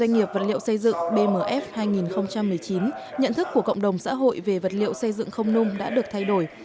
doanh nghiệp vật liệu xây dựng bmf hai nghìn một mươi chín nhận thức của cộng đồng xã hội về vật liệu xây dựng không nung đã được thay đổi